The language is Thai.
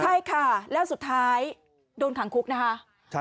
ใช่ค่ะแล้วสุดท้ายโดนขังคุกนะคะ